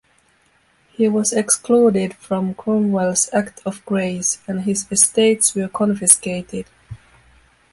He was excluded from Cromwell's Act of Grace and his estates were confiscated.